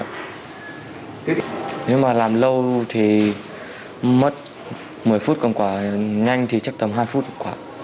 nếu mà làm lâu thì mất một mươi phút cầm quả nhanh thì chắc tầm hai phút một quả